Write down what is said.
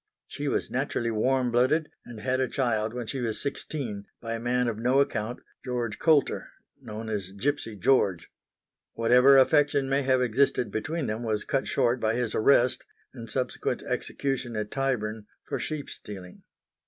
She was naturally warm blooded and had a child when she was sixteen by a man of no account, George Coulter, known as Gipsy George. Whatever affection may have existed between them was cut short by his arrest and subsequent execution at Tyburn for sheepstealing.